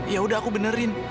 ya udah aku benerin